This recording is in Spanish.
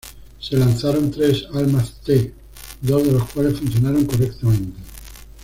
Se lanzaron tres Almaz-T, dos de los cuales funcionaron correctamente.